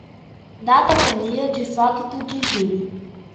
data venia, de facto, de jure